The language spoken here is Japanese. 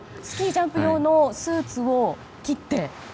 スキージャンプ用のスーツを切って？